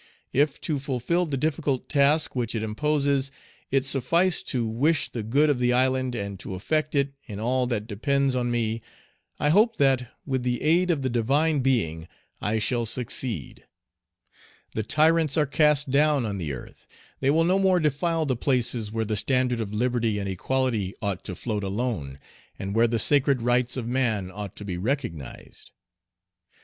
If to fulfil the difficult task which it imposes, it sufficed to wish the good of the island, and to effect it, in all that depends on me, I hope that, with the aid of the Divine Being, I shall succeed. The tyrants are cast down on the earth; they will no more defile the places where the standard of liberty and equality ought to float alone, and where the sacred rights of man ought to be recognized.